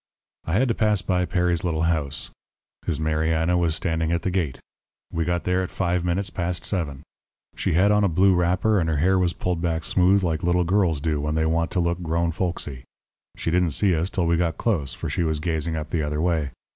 "I had to pass by Perry's little house. His Mariana was standing at the gate. We got there at five minutes past seven. She had on a blue wrapper, and her hair was pulled back smooth like little girls do when they want to look grown folksy. She didn't see us till we got close, for she was gazing up the other way.